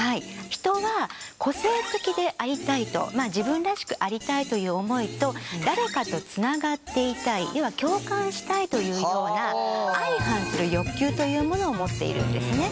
人は個性的でありたいとまあ自分らしくありたいという思いと誰かとつながっていたい要は共感したいというような相反する欲求というものを持っているんですね。